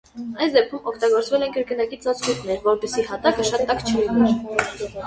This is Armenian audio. Այս դեպքում օգտագործվել են կրկնակի ծածկույթներ, որպեսզի հատակը շատ տաք չլիներ։